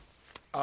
あ。